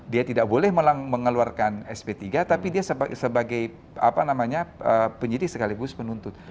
dia tidak boleh mengeluarkan sp tiga tapi dia sebagai penyidik sekaligus penuntut